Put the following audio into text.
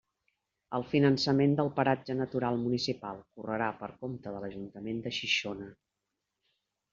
El finançament del Paratge Natural Municipal correrà per compte de l'Ajuntament de Xixona.